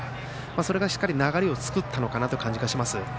それがしっかり流れを作ったのかなという感じがします。